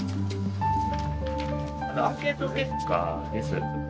アンケート結果です。